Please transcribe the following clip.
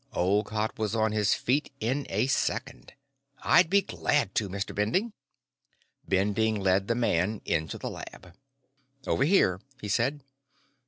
Olcott was on his feet in a second. "I'd be glad to, Mr. Bending." Bending led the man into the lab. "Over here," he said.